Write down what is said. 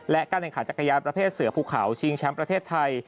และการแข่งขันจักรยานประเภทเสือภูเขาชิงแชมป์ประเทศไทย